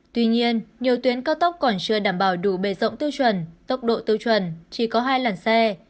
tuy nhiên nhiều tuyến cao tốc còn chưa đảm bảo đủ bề rộng tiêu chuẩn tốc độ tiêu chuẩn chỉ có hai làn xe